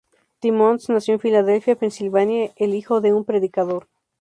Timmons nació en Filadelfia, Pensilvania, el hijo de un predicador.